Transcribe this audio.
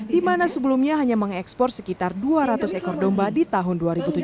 di mana sebelumnya hanya mengekspor sekitar dua ratus ekor domba di tahun dua ribu tujuh belas